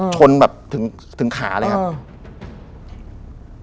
ชนแบบถึงขาเลยครับ